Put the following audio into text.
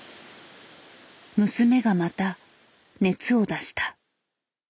娘がまた熱を出した。